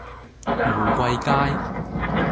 玫瑰街